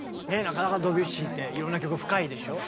なかなかドビュッシーっていろんな曲深いでしょう。